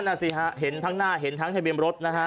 นั่นสิฮะเห็นทั้งหน้าเห็นทั้งทะเบียนรถนะฮะ